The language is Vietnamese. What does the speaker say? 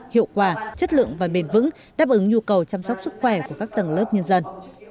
hiệu quả chất lượng và bền vững đáp ứng nhu cầu chăm sóc sức khỏe của các tầng lớp nhân dân